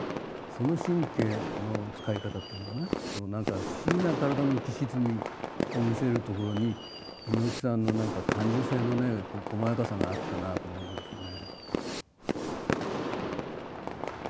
その神経のつかい方っていうのかななんか不思議な体の浮き沈みを見せるところに猪木さんのなんか感受性のねこまやかさがあったなと思いますね。